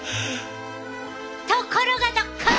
ところがどっこい！